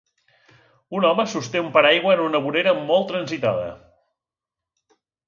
Un home sosté un paraigua en una vorera molt transitada.